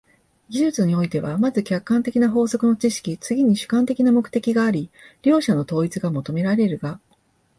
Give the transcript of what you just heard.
技術においては、まず客観的な法則の知識、次に主観的な目的があり、両者の統一が求められるが、